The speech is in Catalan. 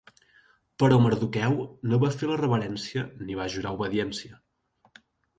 Però Mardoqueu no va fer la reverència ni va jurar obediència.